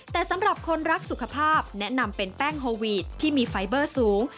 แต่สำหรับคนรักสุขภาพแนะนำเป็นแป้งโฮวีดที่มีไฟเบอร์สูง